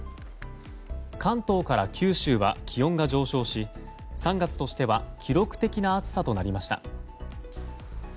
関東から九州は気温が上昇し３月としては記録的な暑さとなりました。